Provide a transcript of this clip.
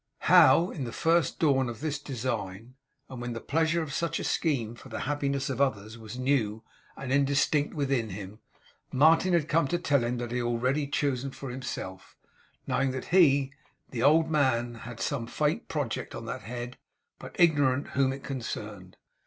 How in the first dawn of this design, and when the pleasure of such a scheme for the happiness of others was new and indistinct within him, Martin had come to tell him that he had already chosen for himself; knowing that he, the old man, had some faint project on that head, but ignorant whom it concerned.